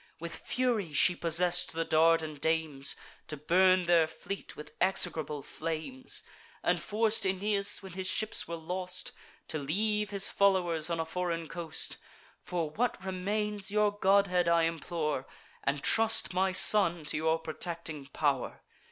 With fury she possess'd the Dardan dames, To burn their fleet with execrable flames, And forc'd Aeneas, when his ships were lost, To leave his foll'wers on a foreign coast. For what remains, your godhead I implore, And trust my son to your protecting pow'r.